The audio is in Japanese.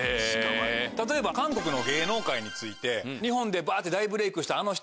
例えば韓国の芸能界について日本でバって大ブレイクしたあの人